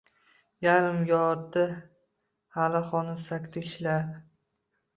Yarim yorti hali hanuz sakta ishlar.